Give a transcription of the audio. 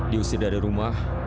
diusir dari rumah